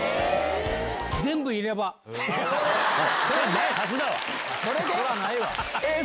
そりゃないはずだわ！